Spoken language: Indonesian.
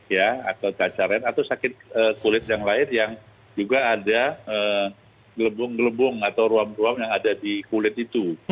ya atau cacaran atau sakit kulit yang lain yang juga ada gelebung gelembung atau ruam ruam yang ada di kulit itu